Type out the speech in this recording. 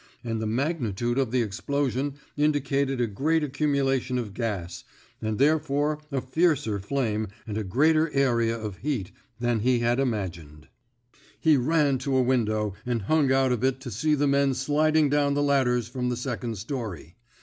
And the magnitude of the explosion indicated a greater accu mulation of gas, and therefore a fiercer flame and a greater area of heat, than he had imagined. 16 THE BED INK SQUAD'' He ran to a window and hung out of it to see men sliding down the ladders from the second story.